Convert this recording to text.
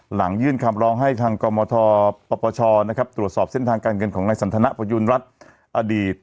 หลังยื่นคำร้องให้ทางกรมทปปชตรวจสอบเส้นทางการเงินของนายสันทนประยุณรัฐอดีต